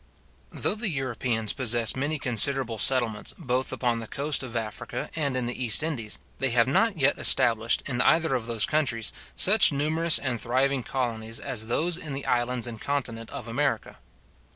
Though the Europeans possess many considerable settlements both upon the coast of Africa and in the East Indies, they have not yet established, in either of those countries, such numerous and thriving colonies as those in the islands and continent of America.